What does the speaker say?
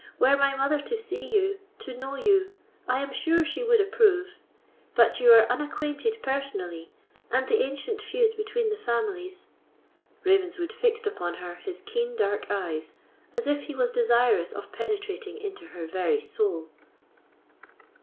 Were my mother to see you—to know you, I am sure she would approve; but you are unacquainted personally, and the ancient feud between the families——" Ravenswood fixed upon her his keen dark eyes, as if he was desirous of penetrating into her very soul.